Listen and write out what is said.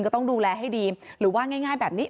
ก็ต้องดูแลให้ดีหรือว่าง่ายแบบนี้